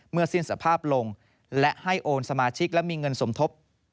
สิ้นสภาพลงและให้โอนสมาชิกและมีเงินสมทบ